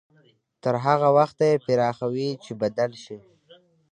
تر هغه وخته يې پراخوي چې بدل شي.